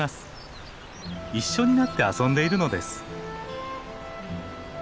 一緒になって遊んでいるのです。